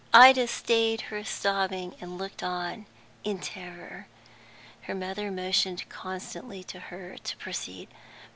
Ida stayed her sobbing, and looked on in terror. Her mother motioned constantly to her to proceed.